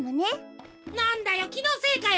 なんだよきのせいかよ